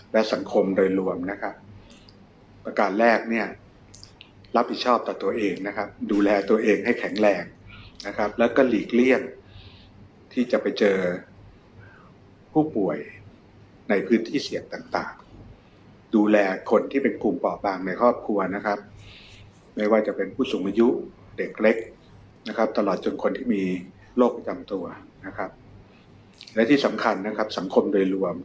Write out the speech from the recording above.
และสังคมโดยรวมนะครับประการแรกเนี่ยรับผิดชอบต่อตัวเองนะครับดูแลตัวเองให้แข็งแรงนะครับแล้วก็หลีกเลี่ยงที่จะไปเจอผู้ป่วยในพื้นที่เสี่ยงต่างดูแลคนที่เป็นกลุ่มป่อบางในครอบครัวนะครับไม่ว่าจะเป็นผู้สูงอายุเด็กเล็กนะครับตลอดจนคนที่มีโรคประจำตัวนะครับและที่สำคัญนะครับสังคมโดยรวม